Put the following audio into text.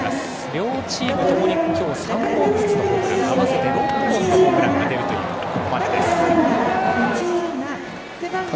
両チームともに今日３本ずつホームラン合わせて６本のホームランが出ました。